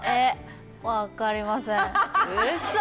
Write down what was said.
分かりません。